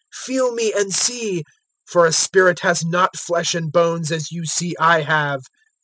Feel me and see, for a spirit has not flesh and bones as you see I have."